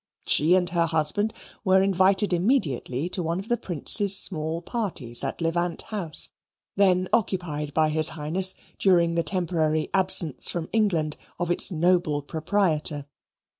She and her husband were invited immediately to one of the Prince's small parties at Levant House, then occupied by His Highness during the temporary absence from England of its noble proprietor.